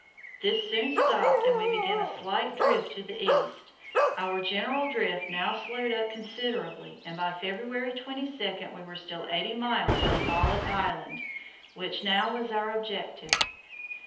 This soon stopped and we began a slight drift to the east. Our general drift now slowed up considerably, and by February 22 we were still eighty miles from Paulet Island, which now was our objective.